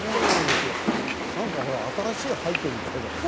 なんかほら新しい廃虚みたいだよね。